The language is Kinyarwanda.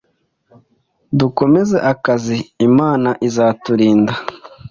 dukomeze akazi Imana izaturinda”